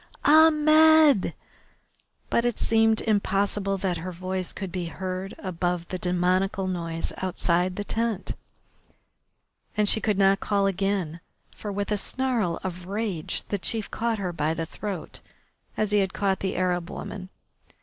Ahmed!" But it seemed impossible that her voice could be heard above the demoniacal noise outside the tent, and she could not call again, for, with a snarl of rage, the chief caught her by the throat as he had caught the Arab woman.